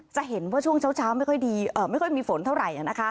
จะเห็นว่าช่วงเช้าไม่ค่อยมีฝนเท่าไหร่